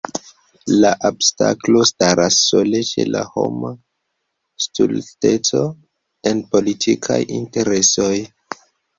La obstaklo staras sole ĉe la homa stulteco en politikaj interesoj.